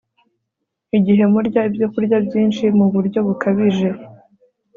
igihe murya ibyokurya byinshi mu buryo bukabije